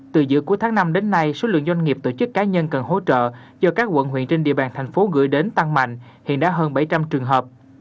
từ giữa cuối tháng năm đến nay số lượng doanh nghiệp tổ chức cá nhân cần hỗ trợ do các quận huyện trên địa bàn thành phố gửi đến tăng mạnh hiện đã hơn bảy trăm linh trường hợp